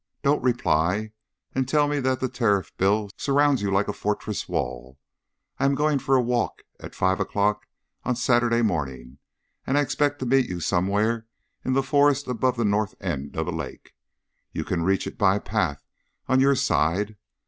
Don't reply and tell me that the Tariff Bill surrounds you like a fortress wall. I am going for a walk at five o'clock on Saturday morning, and I expect to meet you somewhere in the forest above the north end of the lake. You can reach it by the path on your side.